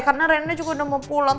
karena rena juga sudah mau pulang